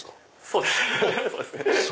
そうですね。